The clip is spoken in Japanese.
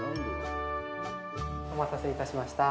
お待たせいたしました。